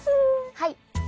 はい！